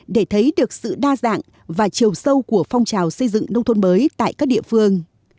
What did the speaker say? để thấy được sự đa dạng và chiều sâu của phong trào xây dựng nông thôn mới tại các địa phương